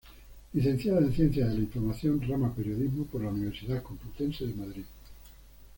Licenciada en Ciencias de la Información, rama Periodismo, por la Universidad Complutense de Madrid.